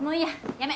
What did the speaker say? やめ。